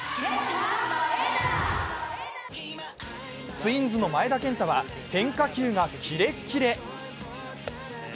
ツインズの前田健太は変化球がキレッキレ。